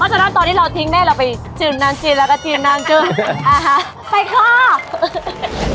เพราะฉะนั้นตอนที่เราทิ้งได้เราไปจิ่มน้ำจิ่มแล้วก็จิ่มน้ำจิ่มอ่าฮะไปข้อ